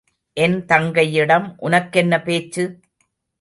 என் தங்கையிடம் உனக்கென்ன பேச்சு?